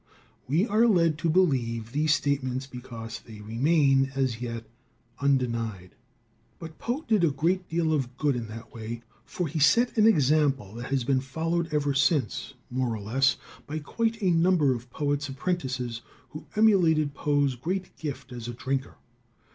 We are led to believe these statements because they remain as yet undenied. But Poe did a great deal of good in that way, for he set an example that has been followed ever since, more or less, by quite a number of poets' apprentices who emulated Poe's great gift as a drinker.